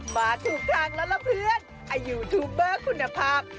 มาถูกทางแล้วล่ะเพื่อนอายุทูบเบอร์คุณภาพ